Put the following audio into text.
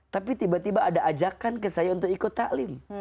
tapi tiba tiba ada ajakan ke saya untuk ikut ⁇ talim